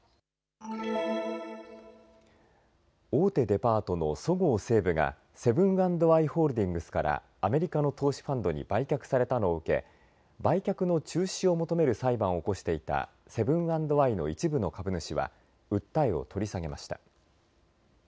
大手デパートのそごう・西武がセブン＆アイ・ホールディングスからアメリカの投資ファンドに売却されたのを受け売却の中止を求める裁判を起こしていたセブン＆アイの一部の株主は訴えを取り下げました。